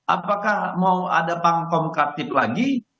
apakah mau ada pangkom katip lagi